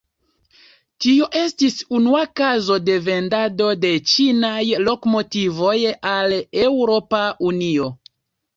Tio estis unua kazo de vendado de ĉinaj lokomotivoj al Eŭropa Unio.